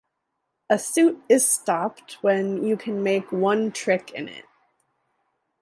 A suit is stopped when you can make one trick in it.